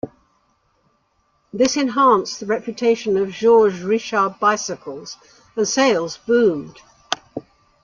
This enhanced the reputation of Georges-Richard bicycles and sales boomed.